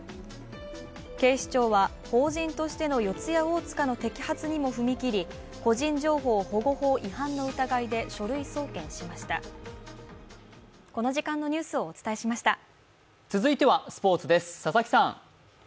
警視庁は、法人としての四谷大塚の摘発にも踏み切り、個人情報保護法違反の疑いで書類送検しました続いてはスポーツです、佐々木さん。